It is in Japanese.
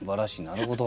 なるほど。